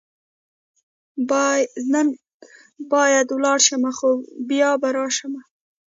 نن باید ولاړ شم، خو بیا به راشم.